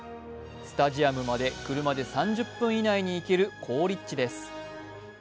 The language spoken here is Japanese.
スタジアムまで車で３０分以内に行ける好立地です。